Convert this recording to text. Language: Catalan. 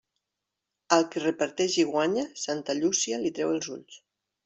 Al qui reparteix i guanya, santa Llúcia li trau els ulls.